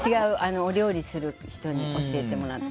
お料理する人に教えてもらって。